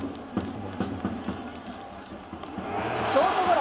ショートゴロ。